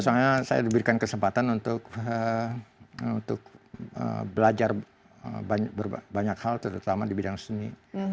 soalnya saya diberikan kesempatan untuk belajar banyak hal terutama di bidang seni